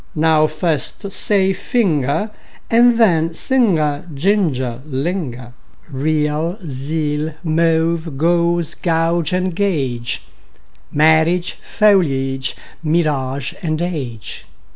) Now first say: finger, And then: singer, ginger, linger. Real, zeal; mauve, gauze and gauge; Marriage, foliage, mirage, age.